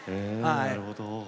なるほど。